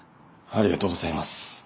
ありがとうございます。